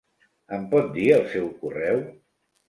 Em pot dir el seu correu?